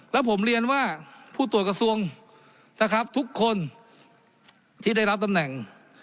แล้วผมเรียนว่าผู้ตรวจกระทรวงนะครับทุกคนที่ได้รับตำแหน่ง